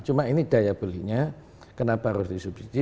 cuma ini daya belinya kenapa harus di subsidi